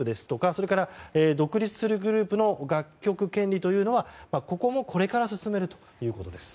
それから、独立するグループの楽曲権利というのはこれから進めるということです。